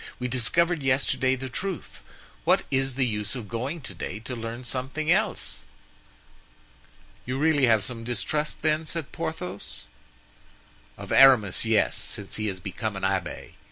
We discovered yesterday the truth; what is the use of going to day to learn something else?" "You really have some distrust, then?" said Porthos. "Of Aramis, yes, since he has become an abbé.